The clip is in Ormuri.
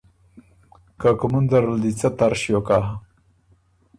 که کُومُن زرل دی څۀ تر ݭیوک هۀ۔